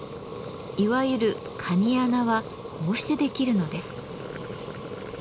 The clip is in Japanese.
いわゆる「かに穴」はこうしてできるのです。